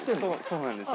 そうなんですよ。